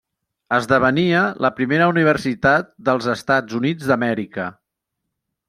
Esdevenia la primera universitat dels Estats Units d'Amèrica.